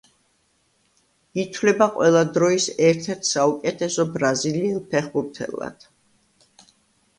ითვლება ყველა დროის ერთ-ერთ საუკეთესო ბრაზილიელ ფეხბურთელად.